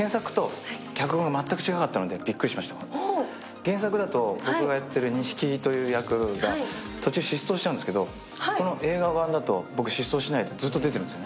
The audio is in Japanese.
原作だと僕がやってる西木という役が途中失踪しちゃうんですけどこの映画版だと僕、疾走しないでずっと出てるんですよね。